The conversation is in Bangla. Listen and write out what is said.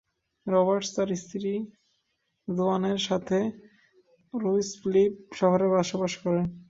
রবার্টস তার স্ত্রী জোয়ানের সাথে রুইসলিপ শহরে বসবাস করেন।